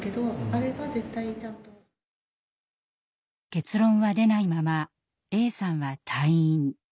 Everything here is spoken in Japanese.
結論は出ないままＡさんは退院。